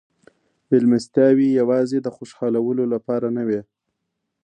مېلمستیاوې یوازې د خوشحالولو لپاره نه وې.